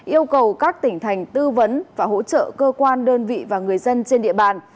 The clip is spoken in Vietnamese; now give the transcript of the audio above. yêu cầu các tỉnh thành tư vấn và hỗ trợ cơ quan đơn vị và người dân trên địa bàn